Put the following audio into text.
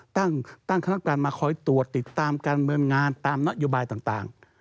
ตั้งคณะการมาคอยตรวจติดตามการเมืองงานตามนโยบายต่าง